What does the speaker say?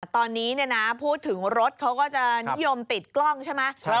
ตอนนี้พูดถึงรถเขาก็จะนิยมติดกล้องใช่ไหม